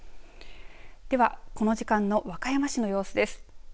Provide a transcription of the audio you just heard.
では、この時間の和歌山市の様子です。